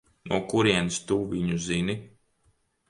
No kurienes tu viņu zini?